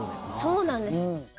そうなんです。